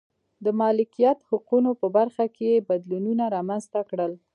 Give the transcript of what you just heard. د مالکیت حقونو په برخه کې یې بدلونونه رامنځته کړل.